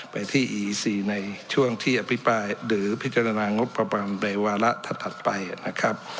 ไปที่อีซีในช่วงที่อภิปรายหรือพิจารณางบประมาณในวาระถัดไปนะครับ